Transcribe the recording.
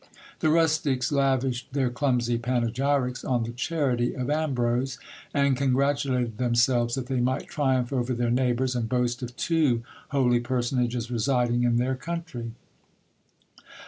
The rustics lavished their clumsy panegyrics on the charity of Ambrose, and congratulated themselves that they might triumph over their neighbours, and boast of two holy personages residing in their country.